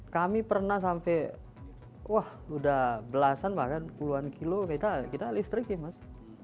kami pernah sampai wah udah belasan bahkan puluhan kilo kita listrik ya mas